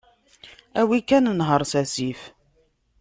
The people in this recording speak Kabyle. Awi kan nher s asif.